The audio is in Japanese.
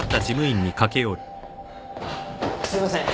あっすいません。